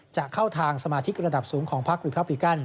จะเข้าทางสมาชิกระดับสูงของพักรี